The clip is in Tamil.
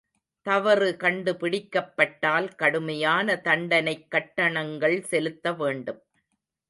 தவறு கண்டுபிடிக்கப்பட்டால் கடுமையான தண்டனைக் கட்டணங்கள் செலுத்த வேண்டும்.